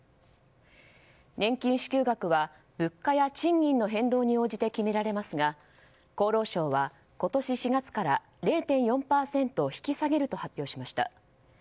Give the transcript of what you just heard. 年金支給額は物価や賃金の変動に応じて決められますが厚労省は今年４月から０．４％引き下げると発表しました。